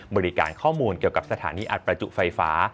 บริการข้อมูลเกี่ยวกับสถานีอัดประจุไฟฟ้า